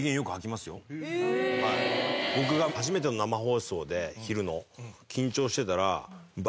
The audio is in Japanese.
僕が初めての生放送で昼の緊張してたらうわ